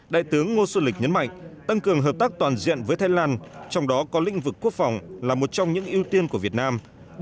đại tướng ngô xuân lịch nhấn mạnh tăng cường hợp tác toàn diện với thái lan trong đó có lĩnh vực quốc phòng là một trong những ưu tiên của việt nam